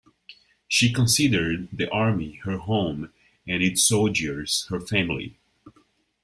She considered the army her home and its soldiers her family.